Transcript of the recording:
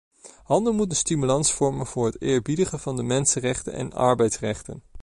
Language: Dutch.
Handel moet een stimulans vormen voor het eerbiedigen van de mensenrechten en arbeidsrechten.